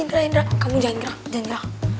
indra indra kamu jangan gerak jangan gerak